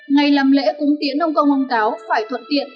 ngày làm lễ cúng tiến ông công ông táo phải thuận tiện